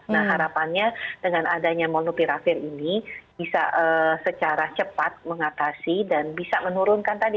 nah harapannya dengan adanya molnupiravir ini bisa secara cepat mengatasi dan bisa menurunkan tadi